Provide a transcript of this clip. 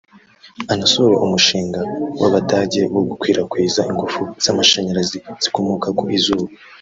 anasure umushinga w’Abadage wo gukwirakwiza ingufu z’amashanyarazi zikomoka ku zuba